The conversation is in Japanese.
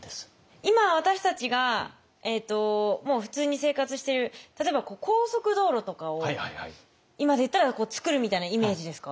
今私たちがもう普通に生活してる例えば高速道路とかを今でいったら造るみたいなイメージですか？